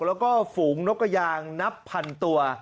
แล้วก็ฝูงนกกระยางนับพันตัว